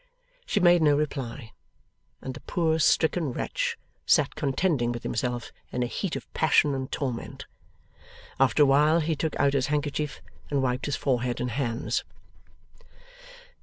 She made no reply, and the poor stricken wretch sat contending with himself in a heat of passion and torment. After a while he took out his handkerchief and wiped his forehead and hands.